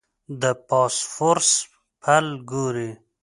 د باسفورس پل ګورې.